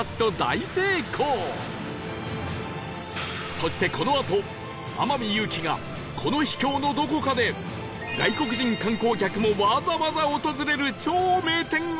そしてこのあと天海祐希がこの秘境のどこかで外国人観光客もわざわざ訪れる超名店を見つける事に